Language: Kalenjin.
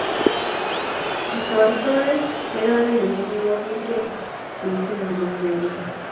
Kitatortoi ne kamenyu nikikokilei mising amanyoru kiy?